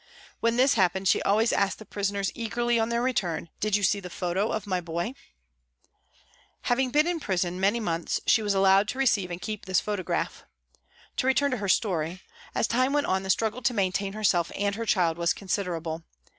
When this happened she always asked the prisoners eagerly on their return, " Did you see the photo of my boy ?" Having been in prison many months she was allowed to receive and keep this photograph. To return to her story, as time went on the struggle to maintain herself and her child was considerable.